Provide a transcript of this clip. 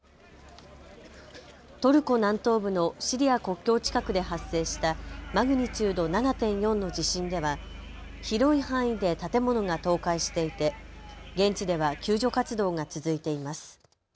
トルコ南東部のシリア国境近くで発生したマグニチュード７．４の地震では広い範囲で建物が倒壊していて現地では救助活動が続いています。